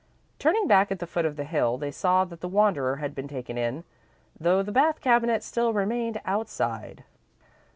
Turning back at the foot of the hill, they saw that the wanderer had been taken in, though the bath cabinet still remained outside.